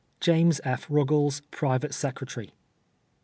James F. Rucules, Private Secretary.